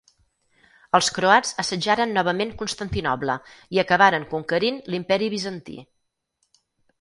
Els croats assetjaren novament Constantinoble i acabaren conquerint l'Imperi Bizantí.